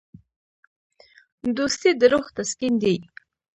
دوستي د روح تسکین دی.